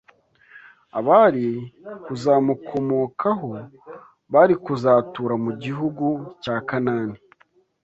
abari kuzamukomokaho bari kuzatura mu gihugu cya Kanani